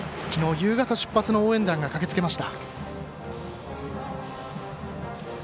夕方出発の応援団が駆けつけました。